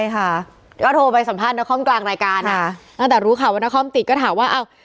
ก็โทรไปสัมภาษณ์นครกลางรายการอะแต่รู้ข่าวว่านครติดก็ถามว่า